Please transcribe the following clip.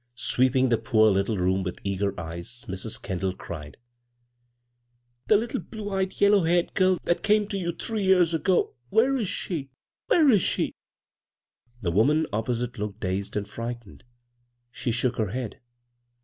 Sweeping the poor little room with eager eyes, Mrs. Kendall cried: "The little blue eyed, yellow haired girl that came to you three years ago — where is she ? Where is she ?" The woman opposite looked dazed and frightened. She shook her head.